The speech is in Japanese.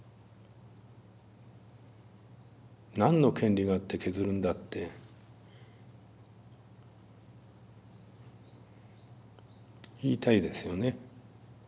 何の権利があって削るんだって言いたいですよね。